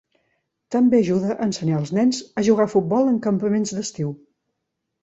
També ajuda a ensenyar als nens a jugar a futbol en campaments d"estiu.